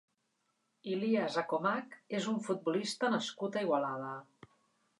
Ilias Akhomach és un futbolista nascut a Igualada.